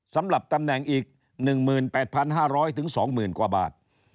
สำหรับตำแหน่งอีก๑๘๕๐๐๒๐๐๐กว่าบาท